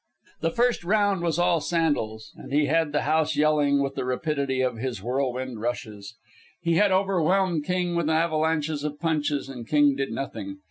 The first round was all Sandel's, and he had the house yelling with the rapidity of his whirlwind rushes. He overwhelmed King with avalanches of punches, and King did nothing.